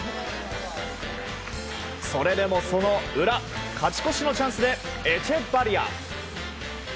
それでもその裏勝ち越しのチャンスでエチェバリア。